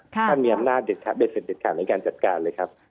ท่านมีอำนาจเด็ดขาดเด็ดเสร็จเด็ดขาดในการจัดการเลยครับ